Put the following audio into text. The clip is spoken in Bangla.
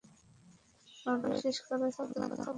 আমার বিশেষ কারো সাথে কথা বলা দরকার।